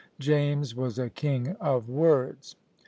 James was a king of words!